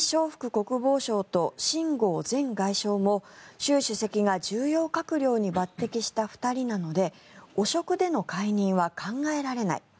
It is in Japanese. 国防相と秦剛前外相も習主席が重要閣僚に抜てきした２人なので汚職での解任は考えられない